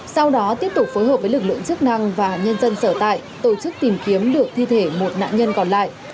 sau đó tiếp tục phối hợp với lực lượng chức năng và nhân dân sở tại tổ chức tìm kiếm được thi thể một nạn nhân còn lại